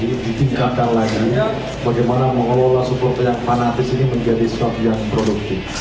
ditingkatkan lagi bagaimana mengelola supporter yang fanatis ini menjadi shop yang produktif